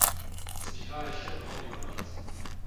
Zbývá ještě mnoho vykonat.